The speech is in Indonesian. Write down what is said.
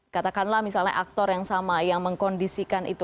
katakanlah misalnya aktor yang sama yang mengkondisikan itu